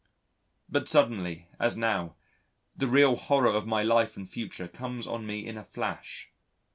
But suddenly, as now, the real horror of my life and future comes on me in a flash.